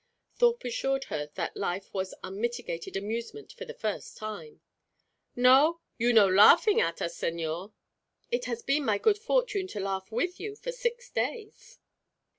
Thorpe assured her that life was unmitigated amusement for the first time. "No? You no laughing at us, señor?" "It has been my good fortune to laugh with you for six days."